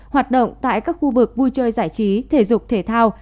hoạt động tại các khu vực vui chơi giải trí thể dục thể thao